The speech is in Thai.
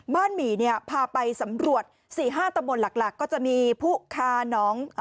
บ้านหมี่เนี่ยพาไปสำรวจสี่ห้าตระบวนหลักหลักก็จะมีผู้คาน้อง